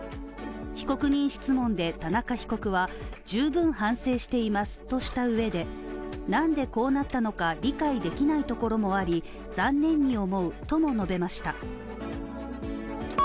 被告人質問で田中被告は十分反省していますとしたうえで何でこうなったのか理解できないところもあり残念に思うとも述べました。